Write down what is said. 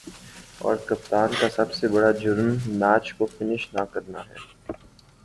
اور کپتان کا سب سے بڑا"جرم" میچ کو فنش نہ کرنا ہے ۔